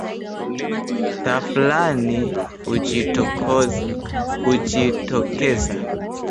Tafrani hujitokeza